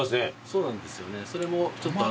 そうなんですよね。